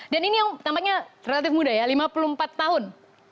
dan ini yang tampaknya relatif muda ya lima puluh empat tahun